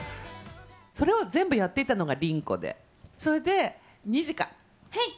それを全部やっていたのがリンコで、それで、はい。